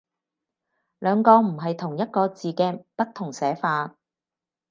兩個唔係同一個字嘅不同寫法